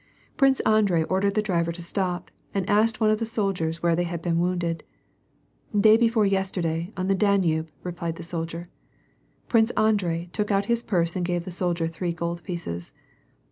Prince Andrei ordered the driver to stop, and asked one of the soldiers where they had been wounded. " Day before yes terday, on the Danube," rej>lied the soldier. Prince Andrei took out his purse and gave the soldier three gold pieces.